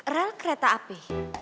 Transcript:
rel kereta api